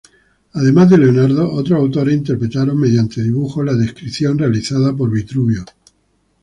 Además de Leonardo, otros autores interpretaron mediante dibujos la descripción realizada por Vitruvio.